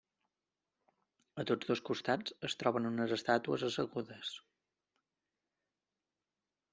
A tots dos costats es troben unes estàtues assegudes.